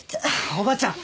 おばちゃん！